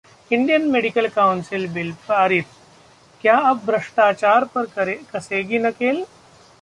Indian Medical Council Bill पारित, क्या अब भ्रष्टाचार पर कसेगी नकेल?